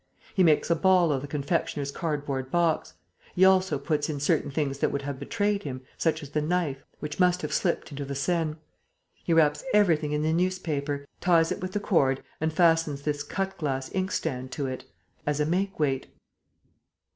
He makes a ball of the confectioner's cardboard box. He also puts in certain things that would have betrayed him, such as the knife, which must have slipped into the Seine. He wraps everything in the newspaper, ties it with the cord and fastens this cut glass inkstand to it, as a make weight.